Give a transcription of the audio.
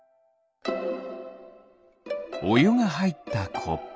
おゆがはいったコップ。